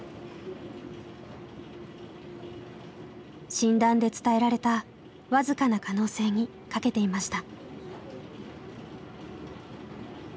診断で伝えられた僅かな可能性にかけていました。